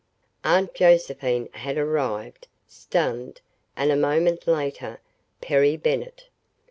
Aunt Josephine had arrived, stunned, and a moment later, Perry Bennett.